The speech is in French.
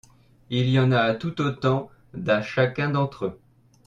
Il y en a tout autant das chacun d'entre eux.